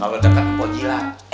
kalo deket kebojilah